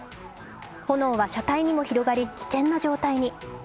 炎は車体にも広がり危険な状態に。